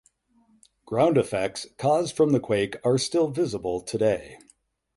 Ground effects caused from the quake are still visible today.